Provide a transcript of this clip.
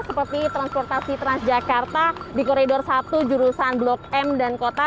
seperti transportasi transjakarta di koridor satu jurusan blok m dan kota